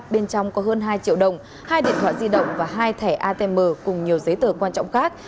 bên trong có hơn hai triệu đồng hai điện thoại di động và hai thẻ atm cùng nhiều giấy tờ quan trọng khác